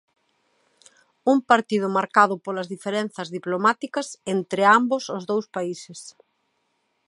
Un partido marcado polas diferenzas diplomáticas entre ambos os dous países.